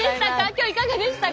今日いかがでしたか？